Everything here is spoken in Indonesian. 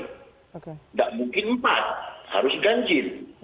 tidak mungkin empat harus ganjil